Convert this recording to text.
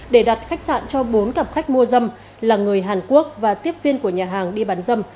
để đặt khách sạn cho bốn cặp khách mua dâm là người hàn quốc và tiếp viên của nhà hàng đi bán dâm